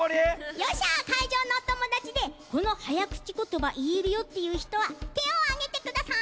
よっしゃかいじょうのおともだちでこのはやくちことばいえるよっていうひとはてをあげてください。